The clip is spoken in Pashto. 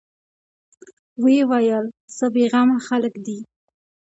ويې ويل: څه بېغمه خلک دي.